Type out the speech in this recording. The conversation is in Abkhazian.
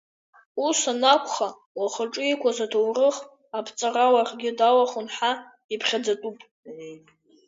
Ус анакәха, лхаҿы иқәыз аҭоурых аԥҵара ларгьы далахәын ҳәа иԥхьаӡатәуп.